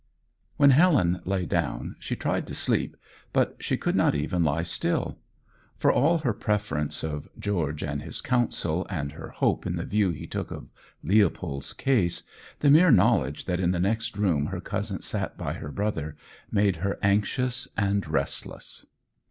When Helen lay down, she tried to sleep, but she could not even lie still. For all her preference of George and his counsel, and her hope in the view he took of Leopold's case, the mere knowledge that in the next room her cousin sat by her brother, made her anxious and restless.